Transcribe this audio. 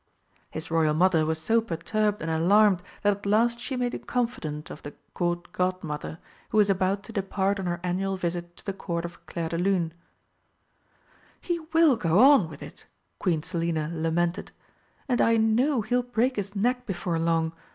His Royal Mother was so perturbed and alarmed that at last she made a confidant of the Court Godmother, who was about to depart on her annual visit to the Court of Clairdelune. "He will go on with it!" Queen Selina lamented, "and I know he'll break his neck before long!